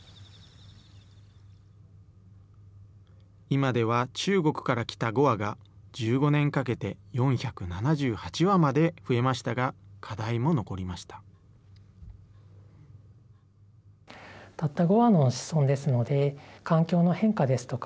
今では中国から来た５羽が、１５年かけて４７８羽まで増えましたが、課題も残りました。